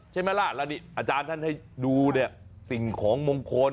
ใช่มั้ละละแล้วอาจารย์นี่ให้ดูสิ่งของมงคล